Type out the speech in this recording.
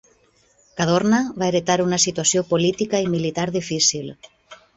Cadorna va heretar una situació política i militar difícil.